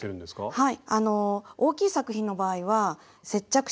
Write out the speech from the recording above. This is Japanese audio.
はい。